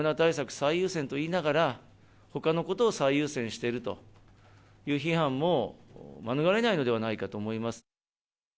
最優先と言いながら、ほかのことを最優先しているという批判も免れないのではないかと思います。